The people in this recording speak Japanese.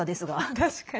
確かに。